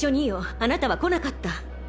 あなたは来なかった。